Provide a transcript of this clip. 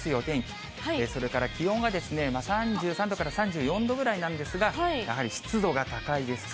それからそれから気温が３３度から３４度ぐらいなんですが、やはり湿度が高いですから。